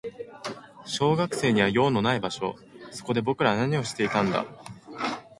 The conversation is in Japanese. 小学生には用のない場所。そこで僕らは何をしていたんだ。